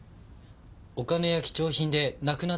お金や貴重品でなくなったものとかは？